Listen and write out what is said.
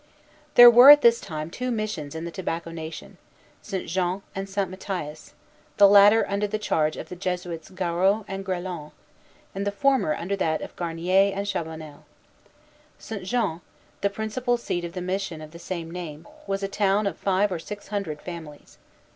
There were at this time two missions in the Tobacco Nation, St. Jean and St. Matthias, the latter under the charge of the Jesuits Garreau and Grelon, and the former under that of Garnier and Chabanel. St. Jean, the principal seat of the mission of the same name, was a town of five or six hundred families.